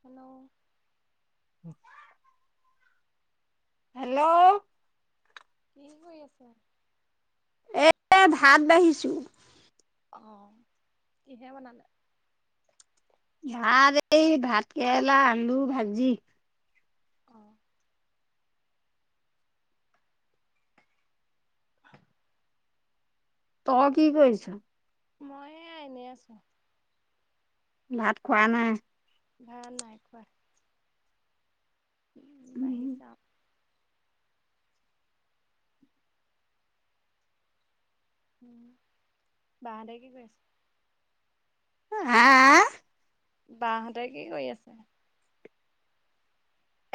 Hello hello অ কি কৰি আছা এ ভাত বাঢ়িছোঁ অ কিহে বনালে ভাত এই ভাত কেৰেলা আলু ভাজি অঁ [unintelligible] তই কি কৰিছ মই এনেই আছো ভাত খোৱা নাই ভাত নাই খোৱা। উম, বাঢ়িছে আও। উম, বাহঁতে কি কৰিআছে? হাঁ বাহঁতে কি কৰি আছে?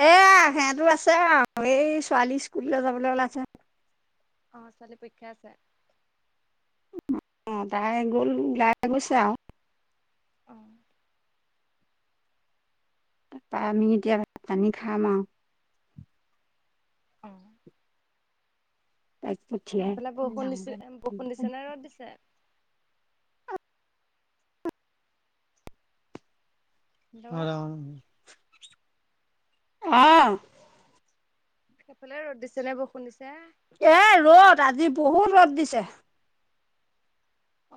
এয়া সেয়াটো আছে আও এই ছোৱালী স্কুললে যাবলে ওলাইছে। অঁ, ছোৱালী পৰীক্ষা আছে। অঁ, তাই গ'ল, ওলাই গৈছে আও অহ তাপা, আমি এতিয়া ভাত- পানী খাম আৰু। অঁঁ তাইক পঠিয়াই সেইফালে বৰষুণ ডাঙৰ দিছে, বৰষুণ দিছে নে ৰ'দ দিছে? অঁ, হেল্ল' অঁহ্‌ সেইফালে ৰ'দ দিছে নে বৰষুণ দিছে? ইয়ে ৰ'দ, আজি বহুত ৰ'দ দিছে।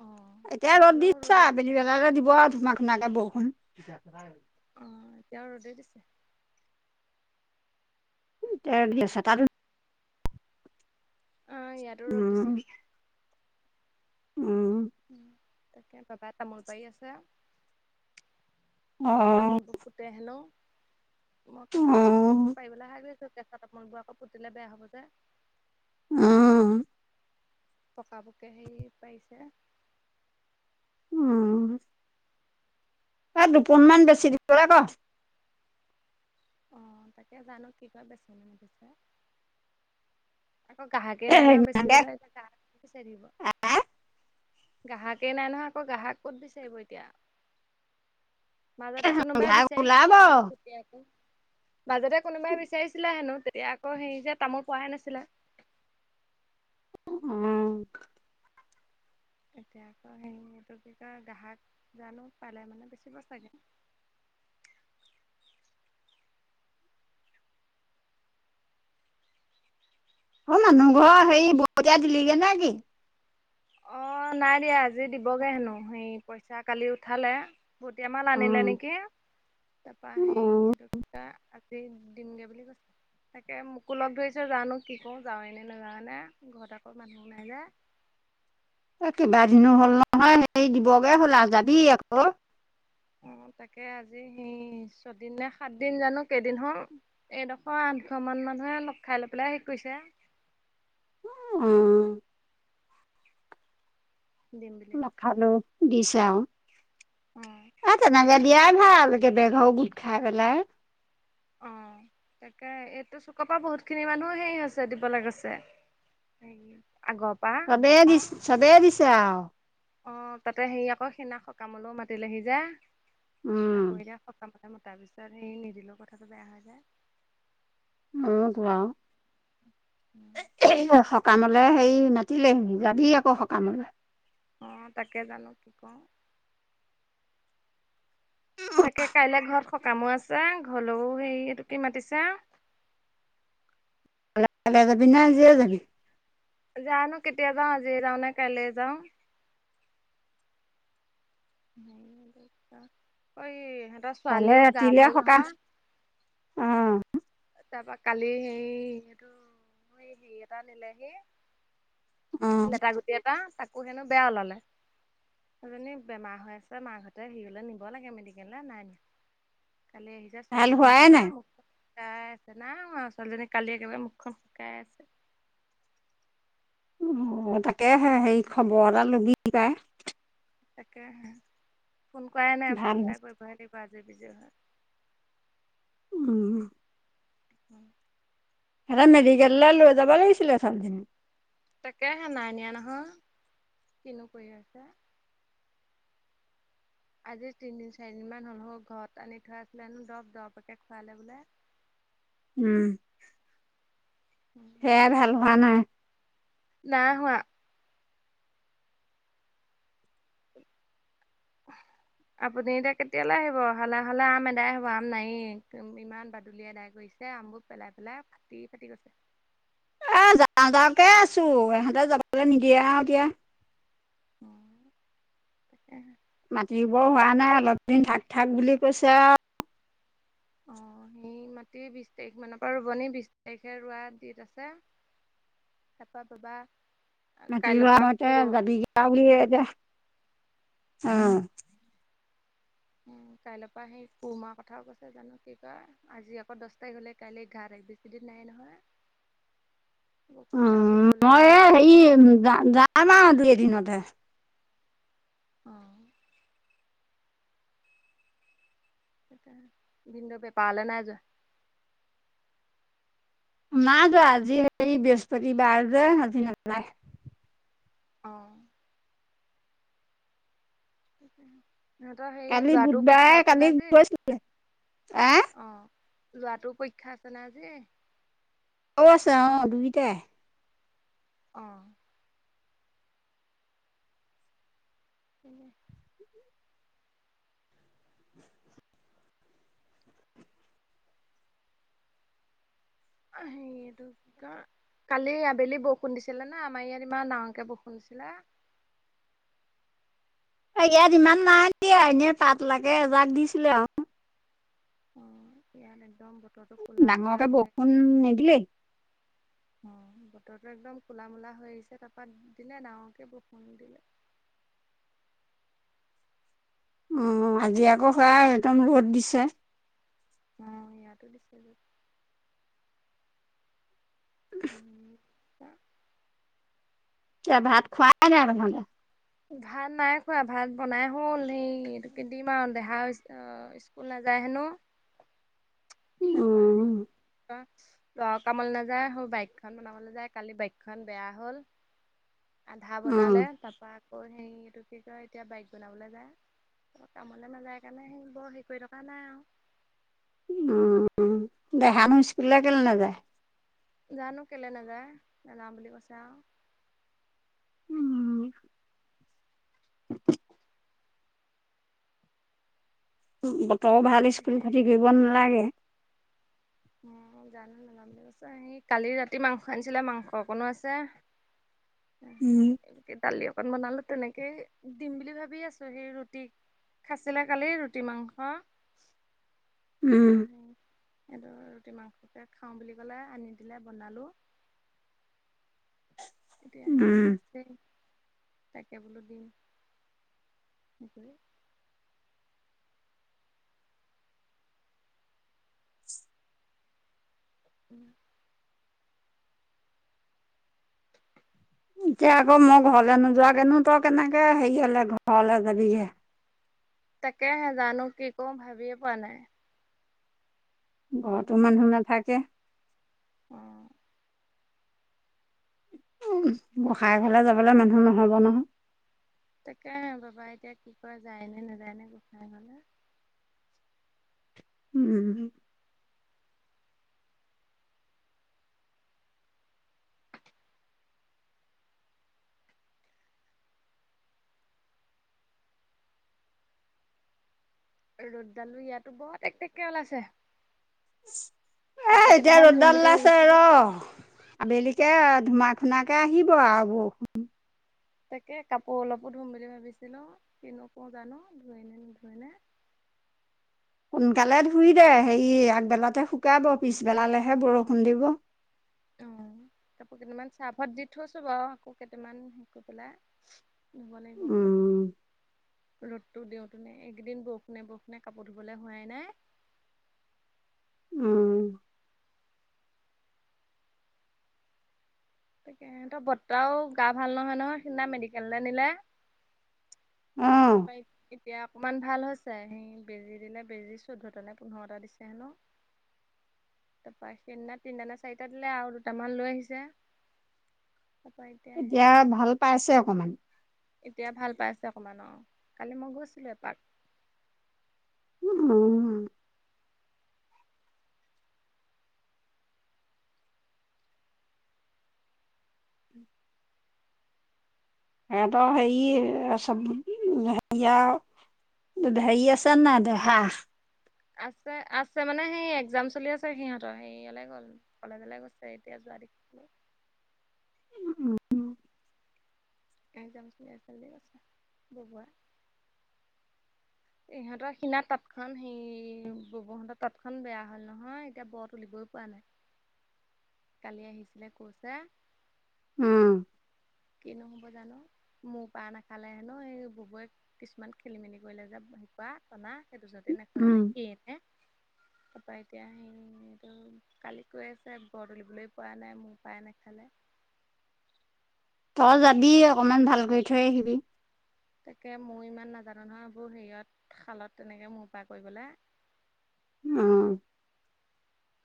অঁ এতিয়া ৰ'দ এইফালেও দিছে ৰ'দে আও আবেলি বাও। বেলাকে দিব আৰু ধুমা- খুনাকে বৰষুণ। অঁ, এতিয়াও ৰ'দেই দিছে ওঁ তেওঁ দি ইয়াত আছে তাতো অঁ, ইয়াটো ৰ'দ উম দিছে। উম, ওঁ, তাকে বাবাই তামোল পাৰি আছে। অ', তামোলবোৰ পুতে হেনো মই কেঁচা তামোলবোৰ অ', পাৰিবলে হাৰি কৰি আছো কেঁচা তামোলবোৰ আকৌ পুতিলে বেয়া হ'ব যে। অঁ পকাবোকে হেৰি পাৰিছে। অঁ এ দুপোনমান বেছি দিবলে ক অঁ, তাকে জানো কি কৰে বেচে- নেবেচে। আকৌ, গ্ৰাহকেই এ নাই নহয় ইমানকে বেচিবলে, এতিয়া গ্ৰাহক ক'ত বিচাৰিব? গ্ৰাহকেই নাই নহয়, আকৌ গ্ৰাহক ক'ত বিচাৰিব এতিয়া? মাজতে কোনোবাই ঘাই ওলাব। বিচাৰিছিলে হেনো, [inaudible] মাজতে কোনোবাই বিচাৰিছিলে হেনো, তেতিয়া আকৌ হেৰি যে তামোল পৰাই নাছিলে [unintelligible] অঁ ম এতিয়া আকৌ হেৰি সেইটো কি কয়? গ্ৰাহক জানো পালেমানে বেছিব চাগে। [unintelligible] অঁ, মানুহ ঘৰ হেৰি, বকতিয়া দিলিগে নে কি? অঁ, নাই দিয়া আজি দিবগে হেনো। হেৰি পইঁচা কালি উঠালে। ভূটিয়া মাল আনিলে উম, নেকি? তাপা হেৰি উম। এইটো কি কয়? আজ্‌ দি, দিমগে বুলি কৈছে। তাকে, মোকো লগ ধৰিছে জানো কি কওঁ। যাওঁৱে নে নাযাওঁৱে নে। ঘৰত আকৌ মানুহো নাই নাই যে। কেবাদিনো হ'ল নহয়? হেৰি দিবগে হ'ল আও যাবি আক। অঁ তাকে, আজি হেৰি ছদিন নে, সাতদিন জানো কেইদিন হ'ল? এডখ আঠঘ মান মানুহে লগখাই লৈ পেলাই হেৰি কৰিছে। অঁ দিম বুলি কৈছে লগখাই লৈ দিছে আও। অ'। এ তেনেকে তাকে দিয়াই ভাল একেবাৰে। ঘ গোটখাই পেলাই। অঁ। তাকে, এইটো চুকপা বহুতখিনি মানুহ হেৰি হৈছে, দিবলে গৈছে। তাকে চবেই দিছ্‌, চবেই দিছে আও। অ তাতে হেৰি আকৌ সেইদিনা সকামলৈও মাতিলেহি যে উম, আকৌ এতিয়া সকাম তাৰপিছত হেৰি নিদিলেও কথাটো বেয়া হৈ যায়। অ ত সকামলে হেৰি মা। যাবি আকৌ সকামলে। অ তাকে জানো কি কৰো? তাকে কাইলে ঘৰ কামো আছো ঘৰলেও সেই এইটো কি মাতিছে। কাইলে যাবি নে আজিয়ে যাবি। যানো কেতিয়া যাও। [unintelligible] এই ইহঁতৰ কাইলৈ ছোৱালীও গা ৰাতিলে ভাল সকাম নহয়। অঁ তাৰ পৰা কালি হেৰি এইটো মোৰ এই হেৰি এটা নিলেহি। অঁ লেটা গুটি এটা তাকো হেনো বেয়া ওলালে। এজনী বেমাৰ হৈ আছে মাক হঁতে হিৰলৈ নিব লাগে মেডিকেল নাই নিয়া। কালি আহিছে ভাল ছোৱালীজনী হোৱাই একেবাৰে নাই মোখ শুকাই আছে না ম ছোৱালীজনী কালি একেবাৰে মুখখন শুকাই আছে। অ তাকে হেৰি খবৰ এটা লবি পায়। তাকে হ ফোন কৰাই নাই ভাল ফোন এটা হৈছে কৰিবই লাগিব। বাজে বিজে হয়। উম উম সিহঁতি মেডিকেললৈ লৈ যাব লাগিছিলে ছোৱালিজনিক। তাকেসে নাই নিয়া নহয়। কিনো কৰি আছে? আজি তিনদিন চাৰিদিন মান হ'ল মানুহৰ ঘৰত আনি থোৱা আছিলে দ দৰৱ দৰবকে খোৱালে বোলে। [inaudible] উম সেয়াই ভাল হোৱা নাই। নাইহোৱা। [inaudible] আপুনি এতিয়া কেতিয়ালৈ আহিব হালে হালে আম এদাই হব আম নাইয়ে। আমবোৰ পেলাই পেলাই ফাটি ফাটি গৈছে। এ যাওঁ যাওঁ যাকে আছো ইহঁতে যাবলৈ নিদিয়ে আৰু এতিয়া। অহ তাকেহে। মাতিবোৰ হোৱা নাই অলপ দিন থাক থাক বুলি কৈছে আৰু। অ মাতি বিশ তাৰিখ মানৰ পৰা ৰুব নি বিশ তাৰিখে ৰোৱা দিন আছে। তাপা বাবা মাটি কাইলৈৰ ৰোৱা সময়তে পৰা যাবি গে বুলি এতিয়া অ উ কাইলে পৰা সেই কুৰমাৰ কথাও কৈছে জানো কি কয় আজি আকৌ দহ তাৰিখ হলে কাইলে এঘাৰ তাৰিখ। বেছি দিন নাই নহয়। উ কঠীয়াও তুলিবলৈ মই হ'ল হেৰি যাম আৰু দুই এদিনতে। অ ভিনদেউ বেপাৰলে নাই যোৱা। নাই যোৱা আজি এই বৃহস্পতি বাৰ যে আজি নাযায়। অহ তাকেহে। কালি বুধবাৰে কালি গৈছিলে এ। লৰাটোৰে পৰীক্ষা আছে নাই আজি? অ আছে দুইতাই। অহ। উম হেৰিটো কি কিয়? কালি আবেলি বৰষুণ দিছিলে না আমাৰ ইয়াত ইমান ডাঙৰকে বৰষুণ দিছিলে। ইয়াত ইমান নাই দিয়া এনেই পাত লাকে এজাক দিছিলে আৰু উম ইয়াত একদম ব ডাঙৰকে বৰষুণ নিদিলে। উম বতৰো একদম কলা মলা হৈ আহিছে তাৰপাত দিলে ডাঙৰকে বৰষুণ দিলে [inaudible] অ আজি আকৌ সেয়া একদম ৰ'দ দিছে। উম ইয়াটো দিছিল। উম এ ভাত খুৱাই নাই আৰু [unintelligible] ভাত নাই খোৱা ভাত বনাই হ'ল সেই এটুকে দিম আৰু দেহা স্কুল নাযায় হেনো তাপা উম, অ কামলৈ নাযায় সোৰ বাইকখন বনাবলৈযায় কালি বাইকখন বেয়া হ'ল আধা উম, বনালে তাৰ পৰা আকৌ হেৰি এইটো কি কয় এতিয়া বাইক বনাবলৈ যায় কামলৈ নাযায় কাৰণে সেই বৰ হেৰি কৰি থকা নাই আৰু উম দেহা নু স্কুললে কেলে নাযায়। জানো কেলে নাযায়, নাযাওঁ বুলি কৈছে আও উম, বতৰও ভাল স্কুল খতি কৰিব তাকে নালাগে। অ জানো নাযাওঁ বুলি কৈছে স কালি ৰাতি মাংস আনিছিলে মাংস অকনো আছে। উম এ তালও অকমান বনালো তেনেকে দিম বুলি ভাবি আছো সেই ৰুটি খাছিলে কালি ৰুটি মাংস, তাৰাপা উম। সে ৰুটি মাংসকে খাওঁ বুলি কলে আনি দিলে বনালো। এতিয়া সে উম, আছে। তাকে বোলো দিম কি কৰি। উম এতিয়া আকৌ মই ঘৰলে নোযোৱাকৈ নো তই কেনেকে হেৰি হলে ঘৰলে যাবিগে। তাকে জানো কি কৰোঁ ভাবিয়ে পোৱা নাই। ঘৰতো মানুহ নাথাকে। উম। উ গোষাই ঘলে যাবলৈ মানুহ নহব নহয়। তাকে বাবা এতিয়া কি কৰা যায় নে নাযায় নে গোসাই ঘলে উম। ৰ'দদালো ইয়াতো বহত টেকটেকে ওলাইছে এ কাপোৰ এতিয়া কেইটামান ধুম ৰ'দডাল বুলি আছে ভাবিছিলো ৰ আবেলিকে। ধোমা খুনাকে আহিব আৰু বৰষুণ। তাকে কাপোৰ অলপো ধুম বুলি ভাবিছিলো কিনো কৰো জানো ধও নে নুধুই ন। [inaudible] সোনকালে ধুই দে হেৰি আগবেলাতে শুকাব পিছবেলালেহে বৰষুণ দিব। আ কেইটামান চাৰফত দি থৈছো বাৰু আকৌ কেইটামান দি পেলাই। ধুব লাগিব। উম, ৰ'দতটো দিওঁতনে এইকেইদিন বৰষুণে বৰষুণে কাপোৰ ধুবলৈ হোৱাই নাই, [inaudible] উম, তাকে তো বৰ্তাও গা ভাল নহয় নহয় সিদিনা মেডিকেললৈ নিলে। তাৰ অ', পা এতিয়া। অকমান ভাল হৈছে, সি বেজি দিলে বেজী চৈধ্যটা নে পোন্ধৰটা দিছে হেনো। তাৰপা সিদিনা তিনিটা নে চাৰিটা দিলে আৰু দুটামান লৈ আহিছে। তাৰপৰা এতিয়া সেই ভাল পাইছে অকমান।। এতিয়া ভাল পাইছে অকমান অ কালি মই গৈছিলো এপাক। উম। অ [unintelligible] হেত সেৰি চব হেয়া। হেৰি আছে নাই দেহা। আছে আছে মানে সেই একজাম চলি আছে সিহঁতৰ হেইয়ালে গ'ল কলেজলে গৈছে এতিয়া য। নাৰ [unintelligible] উম। এক্সম চলি আছে যে [inaudible] ইহঁতৰ সীনা তাঁত খন সেই বহঁতৰ তাঁতখনন বেয়া হল নহয় এতিয়া বৰ তুলিব। পোৱা নাই কালি আহিছিলে কৈছে। ওম। কি নহব জানো মোৰ পাৰ নাখালে হে ন এই ববয়ে কিছুমান খেলি মেলি কৰিলে যে। শোৱা টনা সেই দুজনতে নাখালে উম নে কি এনে। তাপা এতিয়া আহি এইটো কালি কৈ আছে বৰ তুলিবলৈ পোৱা নাই মোৰ পায় নাখালে। [unintelligible] তই যাবি অকমান ভাল কৰি থৈ আহিবি। তাকে মোৰ ইমান নাজানো নহয় এইবোৰ হেৰিয়ত খালত তেনেকে মোৰ পাৰ কৰিবলে। [unintelligible] ওম।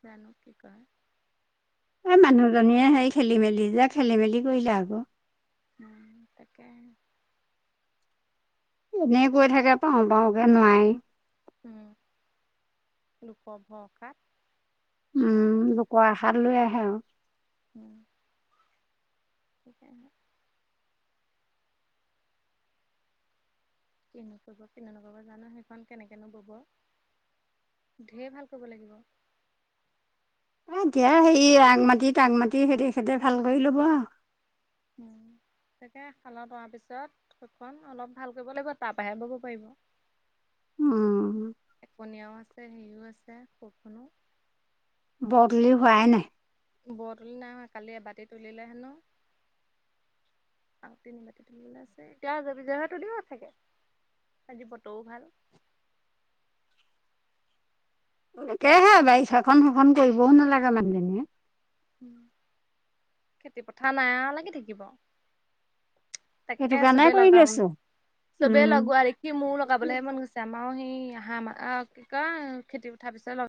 জানো কি ক। এই মানুহজনীয়ে সেই খেলি মেলি যে খেলি মেলি কৰিলে আকৌ। উম তাকে। এনেই কৈ থাকে পাওঁ পাওঁ কে নোৱাৰি। লোকৰ ভৰসাত। লগাব উম, লোকৰ আশাত লৈ আহে আও। উম। তাকে। কিনো কৰিব, কিনো নকৰিব জানো সেইখন কেনেকেনো বব। ঢেৰ ভাল কৰিব লাগিব। এতিয়া সে আগ মাটি তাক মাটি হেইটি ভাল কৰি ল'ব আও। উম। তাকে খালত তোৱাৰ পিছত থোকখন অলপ ভাল কৰিব লাগিব তাপ আহে বব পাৰিব। উম একণীয়াও আছে হেৰিও আছে সৰখনো। ব তুলি হোৱাই নাই। বৰ তুলি হোৱাই নাই কালি এবাতি তুলিলে হেনো। আৰু তিনিবাতি তুলিবলে আছে এতিয়া যাব জয়হতো দিও থাকে। আজি বতও ভাল। তাকেহে বাৰিষাখন সেইখন কৰিবও নালাগে মানুহজনীয়ে। খেতি পথাৰ নাই লাগি থাকিব। সেইটো তাকে কাৰণে সবে কৰি লগাও লৈছো চবে লগোৱা উম দেখি মোৰো লগাবলেহে মন গৈছে আমাৰ। অ হেই হাঁ ম অ কি কয় খেতি পথাৰ পিছত লগ।